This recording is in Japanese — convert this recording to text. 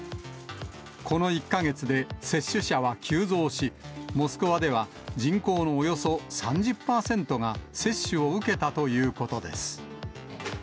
この１か月で接種者は急増し、モスクワでは人口のおよそ３０％が接種を受けたということです。